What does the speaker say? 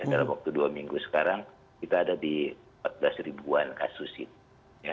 dalam waktu dua minggu sekarang kita ada di empat belas ribuan kasus itu